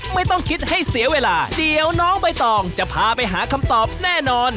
ไม่ต้องคิดให้เสียเวลาเดี๋ยวน้องใบตองจะพาไปหาคำตอบแน่นอน